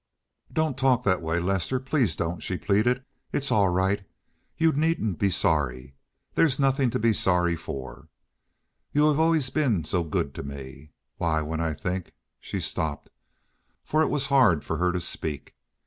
"Don't talk that way, Lester—please don't," she pleaded. "It's all right. You needn't be sorry. There's nothing to be sorry for. You have always been so good to me. Why, when I think—" she stopped, for it was hard for her to speak.